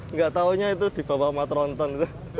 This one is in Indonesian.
nggak taunya itu di bawah matronton